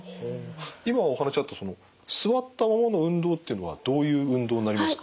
今お話あったその座ったままの運動っていうのはどういう運動になりますか？